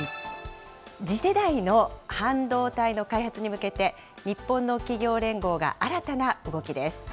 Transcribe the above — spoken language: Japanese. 次世代の半導体の開発に向けて、日本の企業連合が新たな動きです。